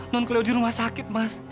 non kuliah di rumah sakit mas